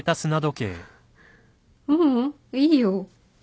ううんいいよ。